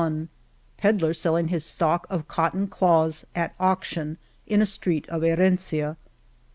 118^ Pedler selling his stock of cotton cloths at auction in a street of Herencia